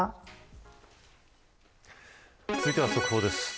続いては速報です。